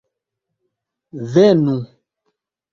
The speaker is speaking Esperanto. venu